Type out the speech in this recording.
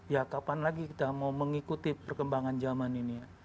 ya kapan lagi kita mau mengikuti perkembangan zaman ini